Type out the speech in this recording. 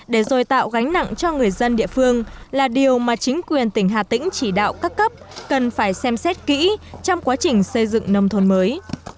để rồi tạo gánh nặng cho người dân địa phương là điều mà chính quyền tỉnh hà tĩnh chỉ đạo các cấp cần phải xem xét kỹ trong quá trình xây dựng nông thôn mới